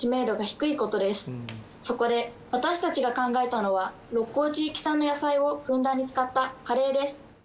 そこで私たちが考えたのは鹿行地域産の野菜をふんだんに使ったカレーです。